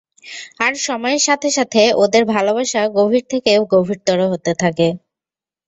আর সময়ের সাথে সাথে, ওদের ভালোবাসা গভীর থেকে গভীরতর হতে থাকে।